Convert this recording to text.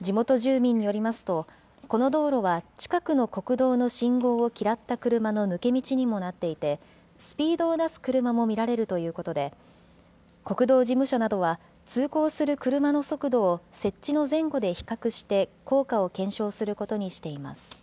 地元住民によりますと、この道路は近くの国道の信号を嫌った車の抜け道にもなっていて、スピードを出す車も見られるということで、国道事務所などは通行する車の速度を設置の前後で比較して効果を検証することにしています。